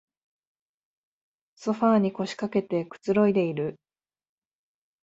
ソファーに腰かけてくつろいでいる